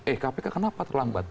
eh kpk kenapa terlambat